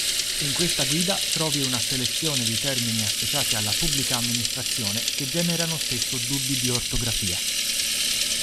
In questa guida trovi una selezione di termini associati alla Pubblica Amministrazione che generano spesso dubbi di ortografia.